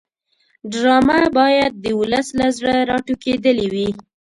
ډرامه باید د ولس له زړه راټوکېدلې وي